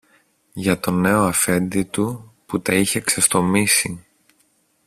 για τον νέον Αφέντη του που τα είχε ξεστομίσει.